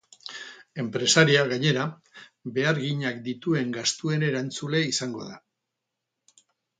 Enpresaria, gainera, beharginak dituen gastuen erantzule izango da.